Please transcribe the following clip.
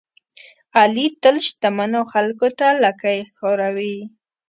علي تل شتمنو خلکوته لکۍ خوروي.